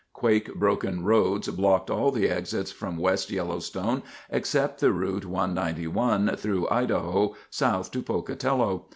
Quake broken roads blocked all the exits from West Yellowstone except the route, 191, through Idaho south to Pocatello.